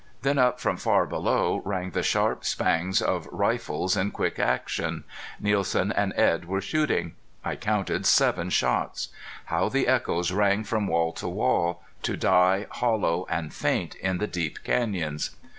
Then up from far below rang the sharp spangs of rifles in quick action. Nielsen and Edd were shooting. I counted seven shots. How the echoes rang from wall to wall, to die hollow and faint in the deep canyons!